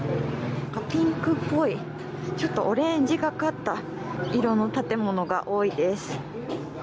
ピンクっぽいちょっとオレンジがかった色の建物が多いです。